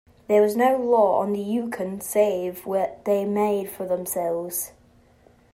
There was no law on the Yukon save what they made for themselves.